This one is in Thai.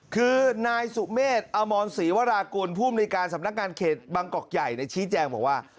คือนายสุเมฆอมรศรีวรากุลผู้มนุยการสำนักงานเขตบางกอกใหญ่ชี้แจงบอกว่า